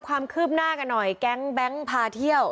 ความคืบหน้ากันหน่อยแก๊งแบงค์พาเที่ยว